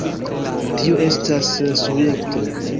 Tio estas... subjekto.